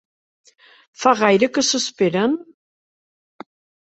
Fa gaire que s'esperen?